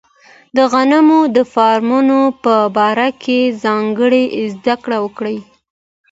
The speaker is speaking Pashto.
د غنمو د فارمونو په باره کې ځانګړې زده کړې وکړي.